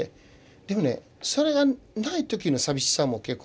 でもねそれがない時の寂しさも結構あったりしてて。